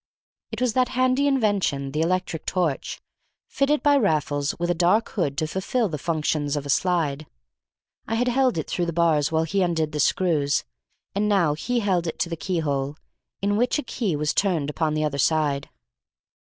It was that handy invention, the electric torch, fitted by Raffles with a dark hood to fulfil the functions of a slide. I had held it through the bars while he undid the screws, and now he held it to the keyhole, in which a key was turned upon the other side.